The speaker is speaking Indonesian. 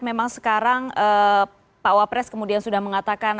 memang sekarang pak wapres kemudian sudah mengatakan